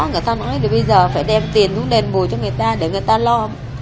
người ta nói bây giờ phải đem tiền xuống đền bùi cho người ta để người ta lo